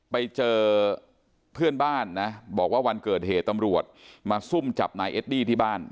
ไปเจอเพื่อนบ้านนะบอกว่าวันเกิดเหตุตำรวจมาซุ่มจับนายเอดดี้ที่บ้าน